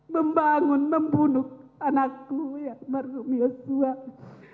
membangun membunuh anakku ya maruf ya suami